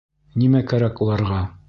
Нимә кәрәк уларға?